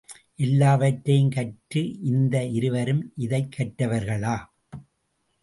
எல்லாவற்றையும் கற்ற இந்த இருவரும் இதைக் கற்றவர்களா?